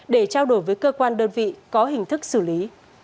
để trao đổi với cơ quan đơn vị có hình thức xử lý